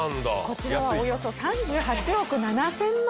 こちらはおよそ３８億７０００万円。